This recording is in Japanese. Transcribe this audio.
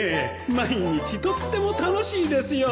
毎日とっても楽しいですよ。